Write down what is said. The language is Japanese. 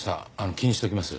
気にしときます。